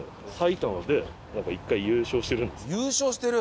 優勝してる？